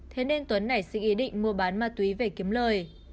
thế nên tuấn nảy sinh ý định mua bán ma túy về kiếm lời